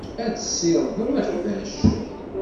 Ad tessirdeḍ iqbac.